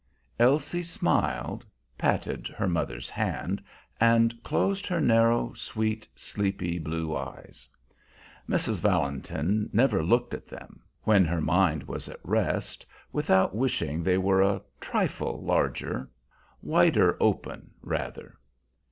Elsie smiled, patted her mother's hand, and closed her narrow, sweet, sleepy blue eyes. Mrs. Valentin never looked at them, when her mind was at rest, without wishing they were a trifle larger wider open, rather.